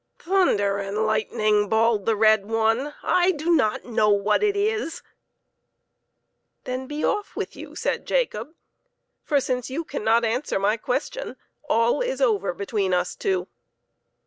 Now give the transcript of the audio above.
" Thunder and lightning !" bawled the red one, "/ do not know what it is /"" Then be off with you !" said Jacob, " for, since you cannot answer my question, all is over between us two."